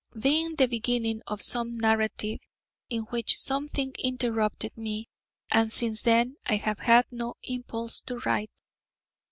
being the beginning of some narrative in which something interrupted me: and since then I have had no impulse to write.